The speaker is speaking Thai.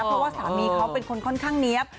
เพราะว่าสามีเขาเป็นคนค่อนข้างเนี๊ยบ